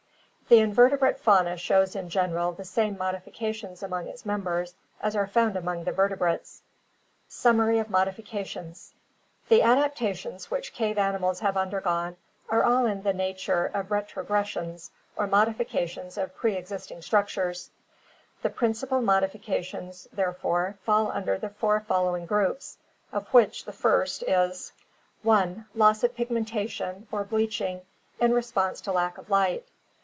The invertebrate fauna shows in general the same modifications among its members as are found among the vertebrates. Summary of Modifications. — The adaptations which cave ani mals have undergone are all in the nature of retrogressions or modifications of preexisting structures. The principal modifica tions, therefore, fall under the four following groups, of which the first is: i. Loss of pigmentation or bleaching in response to lack of light.